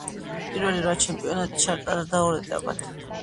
პირველი რვა ჩემპიონატი ჩატარდა ორ ეტაპად.